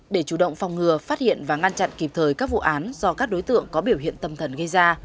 để chủ động phòng ngừa phát hiện và ngăn chặn kịp thời các vụ án do các đối tượng có biểu hiện tâm thần gây ra